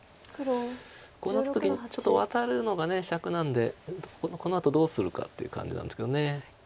こうなった時にちょっとワタるのがしゃくなんでこのあとどうするかっていう感じなんですけど。